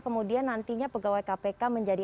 kemudian nantinya pegawai kpk menjadi